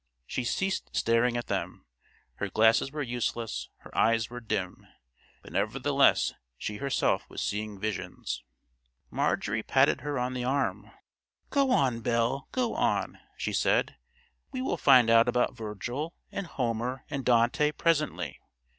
She ceased staring at them, her glasses were useless, her eyes were dim; but nevertheless she herself was seeing visions. Marjorie patted her on the arm. "Go on, Belle, go on," she said; "we will find out about Virgil and Homer and Dante presently.